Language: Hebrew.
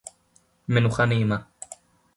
מנוחה נעימה